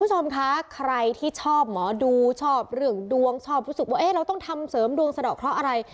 คุณผู้ชมคะใครที่ชอบหมอดูชอบเรื่องดวงชอบรู้สึกว่าเราต้องทำเสริมดวงสะดอกเคราะห์อะไร